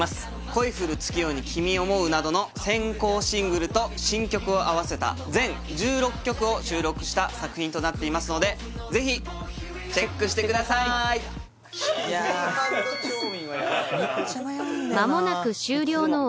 「恋降る月夜に君想ふ」などの先行シングルと新曲を合わせた全１６曲を収録した作品となっていますのでぜひチェックしてくださいいやめっちゃ悩むんだよな